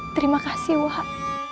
terima kasih wak